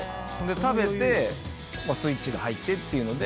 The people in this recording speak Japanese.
食べてスイッチが入ってっていうので。